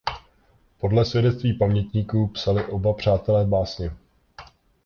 Podle svědectví pamětníků psali oba přátelé básně.